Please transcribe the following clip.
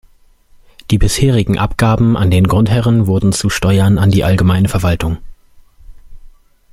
Die bisherigen Abgaben an den Grundherren wurden zu Steuern an die allgemeine Verwaltung.